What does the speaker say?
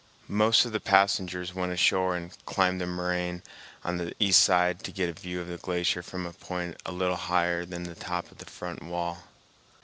Most of the passengers went ashore and climbed the morame on the east side to get a view of the glacier from a point a little higher than the top of the front wall.